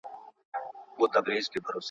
په اوداسه او پاک زړه دعا وغواړئ.